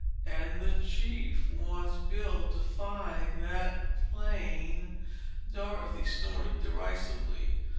And the Chief wants Bill to find that plane—" Dorothy snorted derisively.